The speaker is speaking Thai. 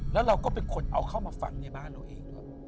แล้วเราก็เป็นคนเอาเข้ามาฝังในบ้านเราเองด้วย